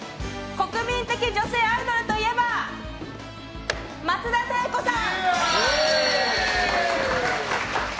国民的女性アイドルといえば松田聖子さん！